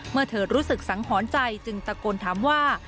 เมื่อเธอรู้สึกสังหรณ์ใจจึงตะโกนถามว่า